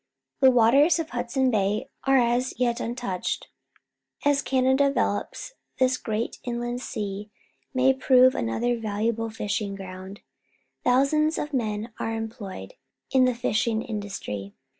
The waters of Hudson Bay are as yet untouched. As Canada develops, this great inland sea may prove another valuable fishing ground. Thousands of men are employed in the fishing industry.